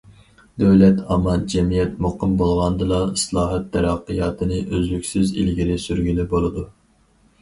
دۆلەت ئامان، جەمئىيەت مۇقىم بولغاندىلا، ئىسلاھات تەرەققىياتىنى ئۈزلۈكسىز ئىلگىرى سۈرگىلى بولىدۇ.